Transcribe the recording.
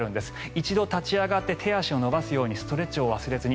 一度、立ち上がって手足を伸ばすようにストレッチを忘れずに。